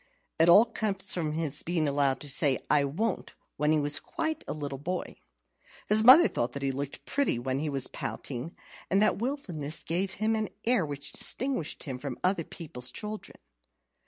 It all came of his being allowed to say "I won't" when he was quite a little boy. His mother thought he looked pretty when he was pouting, and that wilfulness gave him an air which distinguished him from other people's children.